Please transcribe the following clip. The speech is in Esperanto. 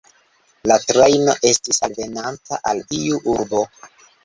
La trajno estis alvenanta al iu urbo.